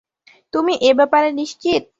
তুমি এ ব্যাপারে নিশ্চিত?